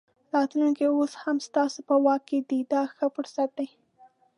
راتلونکی اوس هم ستاسو په واک دی دا ښه فرصت دی.